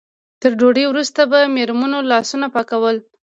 تر ډوډۍ وروسته به مېرمنو لاسونه پاکول.